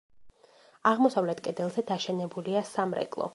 აღმოსავლეთ კედელზე დაშენებულია სამრეკლო.